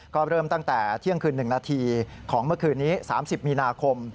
ก็เริ่มตั้งแต่เที่ยงคืน๑นาทีของเมื่อคืนนี้๓๐มีนาคม